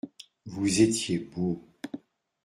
Vous étiez beaux.